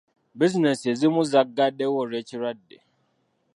Bizinensi ezimu zagaddewo olw'ekirwadde.